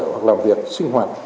hoặc làm việc sinh hoạt